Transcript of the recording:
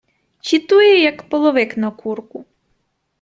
Чїтує, як половик на курку.